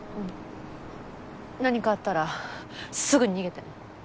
何かあったらすぐに逃げて。